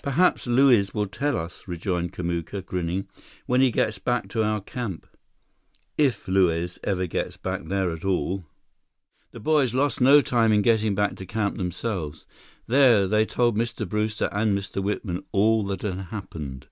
"Perhaps Luiz will tell us," rejoined Kamuka, grinning, "when he gets back to our camp." "If Luiz ever gets back there at all!" The boys lost no time in getting back to camp themselves. There, they told Mr. Brewster and Mr. Whitman all that had happened.